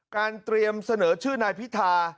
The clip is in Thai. เตรียมเสนอชื่อนายพิธา